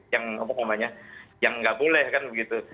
yang nggak boleh kan begitu